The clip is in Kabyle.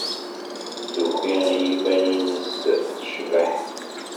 Tuki i yiman-nnes tecbeḥ.